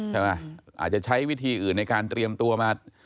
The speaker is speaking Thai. อาจจะใช้วิธีอื่นในการเตรียมตัวมา